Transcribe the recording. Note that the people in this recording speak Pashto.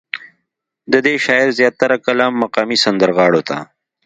ددې شاعر زيات تره کلام مقامي سندرغاړو ته